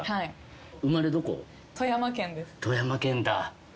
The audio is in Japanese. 富山県だ。